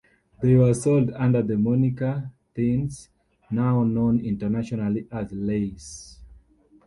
They were sold under the moniker "Thins: now known internationally as Lays".